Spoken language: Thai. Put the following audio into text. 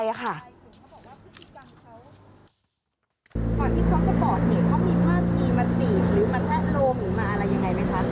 ก่อนที่เขาจะปล่อยเขามีภาพมีมาติด